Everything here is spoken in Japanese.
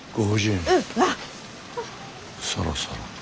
そろそろ。